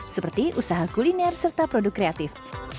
seperti usaha kuliner serta produk kreatif